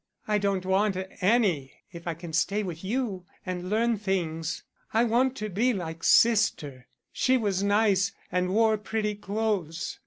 I don't want any if I can stay with you and learn things. I want to be like sister. She was nice and wore pretty clothes.